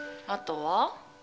あとは？